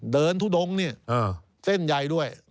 เดินทุดงเส้นใหญ่ด้วย